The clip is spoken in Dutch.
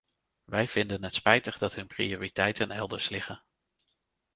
Wij vinden het spijtig dat hun prioriteiten elders liggen.